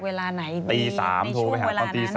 เวลาไหนในช่วงเวลานั้นตี๓โทรไปหาคุณตี๓